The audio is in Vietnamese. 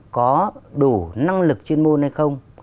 có đủ năng lực chuyên môn hay không